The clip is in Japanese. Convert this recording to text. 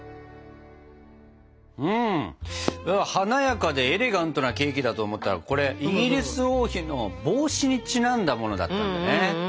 華やかでエレガントなケーキだと思ったらこれイギリス王妃の帽子にちなんだものだったんだね。